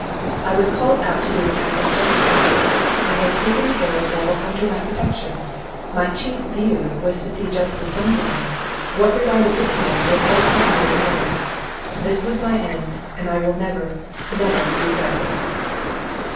I was called out to do an act of justice; I had taken the heir of Lovel under my protection, my chief view was to see justice done to him; what regarded this man was but a secondary motive. This was my end, and I will never, never lose sight of it."